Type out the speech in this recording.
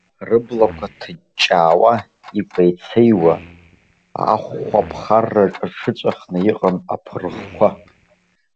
Рыблақәа ҭыҷҷаауа, икәеицеиуа, ахәа ԥхарраҿ рҽыҵәахны иҟан аԥырӷқәа.